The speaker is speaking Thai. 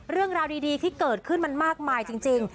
เรื่องราวดีที่เกิดขึ้นมันมากมายจริง